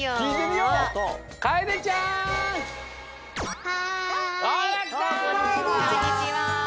こんにちは！